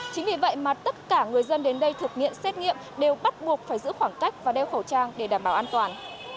chính vì vậy mà tất cả người dân đến đây thực hiện xét nghiệm đều bắt buộc phải giữ khoảng cách và đeo khẩu trang để đảm bảo an toàn